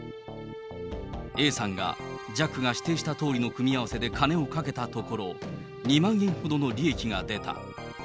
Ａさんがジャックが指定したとおりの組み合わせで金を賭けたところ、２万円ほどの利益が出た。